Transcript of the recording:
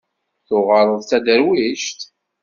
Tuɣaleḍ d taderwict?